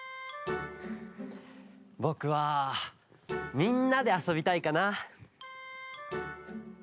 ぼくはみんなであそびたいかな。